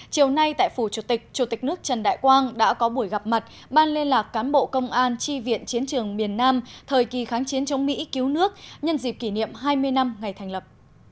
chiều nay tại phủ chủ tịch chủ tịch nước trần đại quang đã có buổi gặp mặt ban liên lạc cán bộ công an tri viện chiến trường miền nam thời kỳ kháng chiến chống mỹ cứu nước nhân dịp kỷ niệm hai mươi năm ngày thành lập